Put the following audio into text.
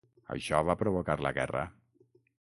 Això va provocar la guerra.